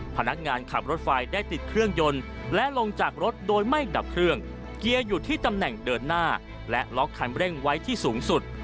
พนักงานขับรถไฟได้ติดเครื่องยนต์และลงจากรถโดยไม่ดับเครื่องเกียร์อยู่ที่ตำแหน่งเดินหน้าและล็อกคันเร่งไว้ที่สูงสุด